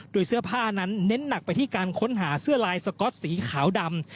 โดยเสื้อผ้านั้นเน้นหนักไปที่การค้นหาเสื้อลายสก๊อตสีขาวดำ